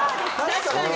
確かに。